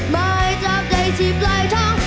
มาให้จับใจที่ปลายท้อง